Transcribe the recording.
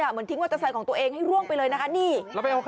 เหมือนทิ้งมอเตอร์ไซค์ไปเลยอะ